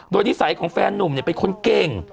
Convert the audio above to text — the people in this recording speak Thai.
โดยนิสัยของแฟนนุ่มเป็นคนเก่ง